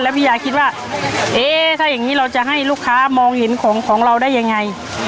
พี่ยาคิดว่าเอ๊ะถ้าอย่างนี้เราจะให้ลูกค้ามองเห็นของของเราได้ยังไง